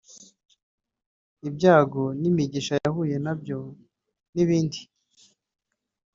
ibyago n’imiigisha yahuye na byo n’ibindi